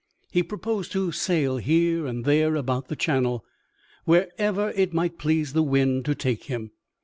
He proposed to sail here and there about the Channel, wherever it might please the wind to take him.